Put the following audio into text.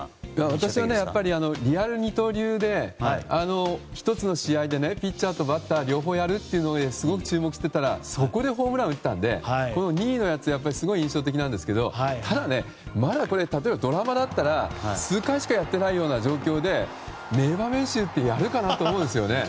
私はリアル二刀流で１つの試合でピッチャーとバッター両方やるというのですごく注目していたらそこでホームランを打ったので２位のやつはやっぱりすごい印象的なんですけどただね、まだこれ例えばドラマだったら数回しかやっていないような状況で名場面集ってやるかなって思うんですよね。